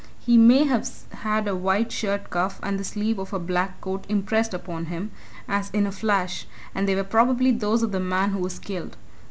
He may have had a white shirt cuff and the sleeve of a black coat impressed upon him, as in a flash and they were probably those of the man who was killed.